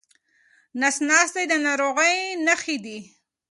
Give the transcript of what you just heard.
نس ناستي د ناروغۍ نښې دي.